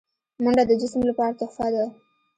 منډه د جسم لپاره تحفه ده